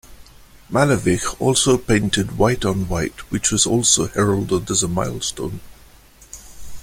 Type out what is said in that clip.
Malevich also painted "White on White" which was also heralded as a milestone.